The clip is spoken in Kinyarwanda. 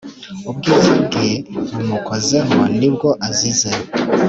Ubwizabwe bumukozeho nibwo azize